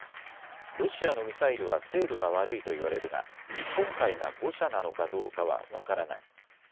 ロシアのミサイルは精度が悪いと言われるが今回が誤射なのかどうかは分からない。